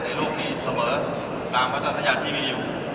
โลกนี้เสมอตามวัตยาที่มีอยู่